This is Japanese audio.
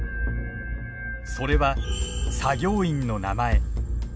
それは作業員の名前。